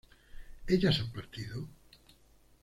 ¿ellas han partido?